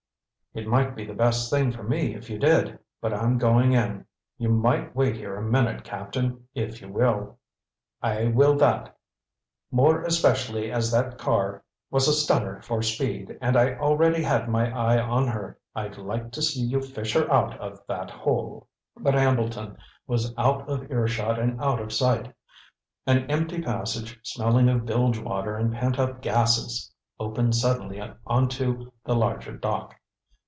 "It might be the best thing for me if you did, but I'm going in. You might wait here a minute. Captain, if you will." "I will that; more especially as that car was a stunner for speed and I already had my eye on her. I'd like to see you fish her out of that hole." But Hambleton was out of earshot and out of sight. An empty passage smelling of bilge water and pent up gases opened suddenly on to the larger dock.